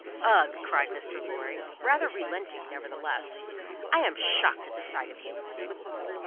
"Ugh!" cried Mr. Lorry, rather relenting, nevertheless, "I am shocked at the sight of you."